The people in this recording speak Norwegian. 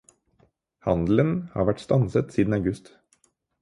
Handelen har vært stanset siden august.